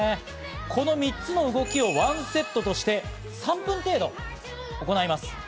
この３つの動きをワンセットとして３分程度行います。